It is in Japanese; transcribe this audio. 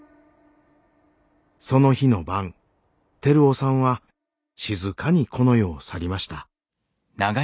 その日の晩テルヲさんは静かにこの世を去りました。